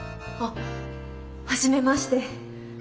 あっはじめまして。